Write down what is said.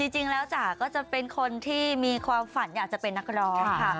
จริงแล้วจ๋าก็จะเป็นคนที่มีความฝันอยากจะเป็นนักร้องค่ะ